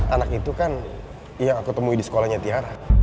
anak itu kan yang aku temui di sekolahnya tiara